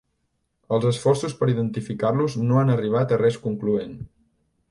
Els esforços per identificar-los no han arribat a res concloent.